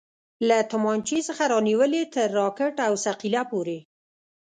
له تمانچې څخه رانيولې تر راکټ او ثقيله پورې.